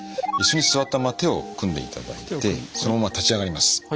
椅子に座ったまま手を組んでいただいてそのまま立ち上がります。